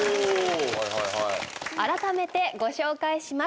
あらためてご紹介します。